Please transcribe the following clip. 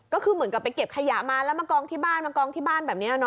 ก็คือเหมือนกับไปเก็บขยะมาแล้วมากองที่บ้านแบบนี้นะ